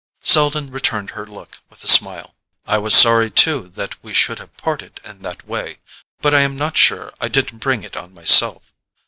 Selden returned her look with a smile. "I was sorry too that we should have parted in that way; but I am not sure I didn't bring it on myself.